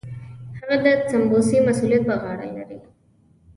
هغه د سمونې مسوولیت په غاړه لري.